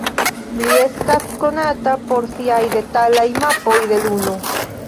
Li estas konata por siaj detalaj mapoj de Luno.